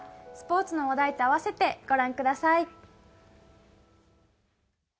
スポーツの話題と合わせて御覧ください。